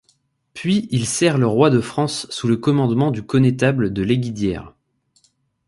Puis il sert le roi de France sous le commandement du connétable de Lesdiguières.